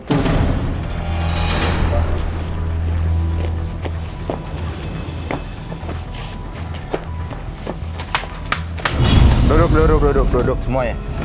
duduk duduk duduk duduk semuanya